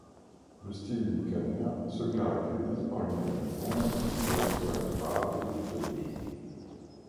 Le style lucanien se caractérise par une abondance de scènes théâtrales et mythologiques.